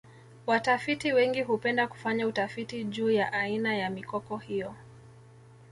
watafiti wengi hupenda kufanya utafiti juu ya aina ya mikoko hiyo